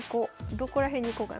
どこら辺に行こうかな。